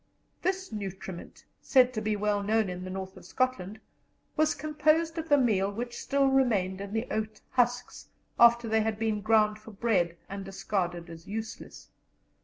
This nutriment, said to be well known in the North of Scotland, was composed of the meal which still remained in the oat husks after they had been ground for bread and discarded as useless.